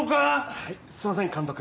はいすいません監督。